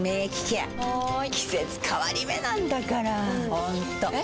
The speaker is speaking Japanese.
ホントえ？